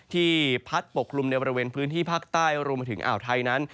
ที่พัดปกลุ่มในบริเวณพื้นที่ภาคใต้รวมไปถึงอ่าวไทยนั้น